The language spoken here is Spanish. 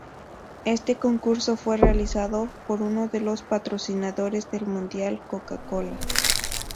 Este concurso fue realizado por uno de los patrocinadores del mundial Coca Cola.